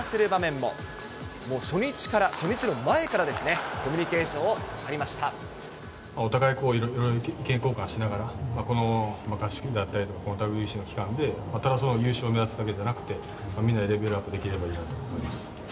もう初日から、初日の前からですね、お互い、いろいろ意見交換しながら、この合宿だったりとか、このＷＢＣの期間で、ただ優勝を目指すだけじゃなくて、みんなでレベルアップできればいいなと思います。